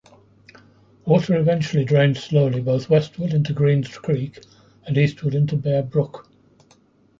Water eventually drains slowly both westward into Greens Creek and eastward into Bear Brook.